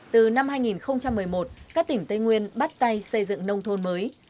từ năm hai nghìn một mươi một các tỉnh tây nguyên bắt tay xây dựng nông thôn mới